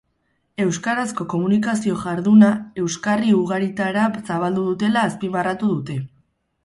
Euskarazko komunikazio jarduna euskarri ugaritara zabaldu dutela azpimarratu dute.